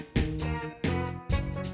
gw suandang keren banget